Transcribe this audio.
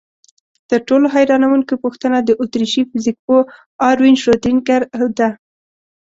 تر ټولو حیرانوونکې پوښتنه د اتریشي فزیکپوه اروین شرودینګر ده.